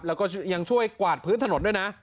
แล้วก็ยังช่วยกวาดพื้นถนนด้วยนะ